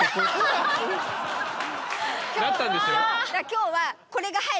今日は。